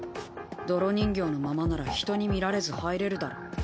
泥人形のままなら人に見られず入れるだろ。